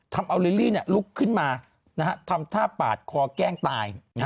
ทำเอาลิลลี่ลุกขึ้นมาทำท่าปาดคอแกล้งตาย